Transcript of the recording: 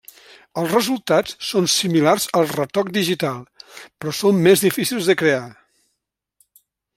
Els resultats són similars al retoc digital, però són més difícils de crear.